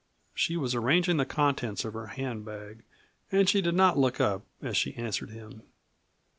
She was arranging the contents of her hand bag and she did not look up as she answered him.